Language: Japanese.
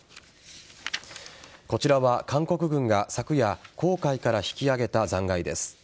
こちらは韓国軍が昨夜黄海から引き揚げた残骸です。